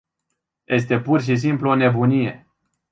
Este pur și simplu o nebunie.